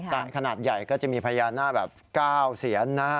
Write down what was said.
ขนาดใหญ่ก็จะมีพญานาคแบบ๙เสียนนะ